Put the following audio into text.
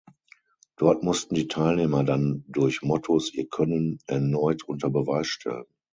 Dort mussten die Teilnehmer dann durch Mottos ihr Können erneut unter Beweis stellen.